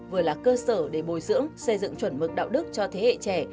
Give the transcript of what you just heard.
vừa là cơ sở để bồi dưỡng xây dựng chuẩn mực đạo đức cho thế hệ trẻ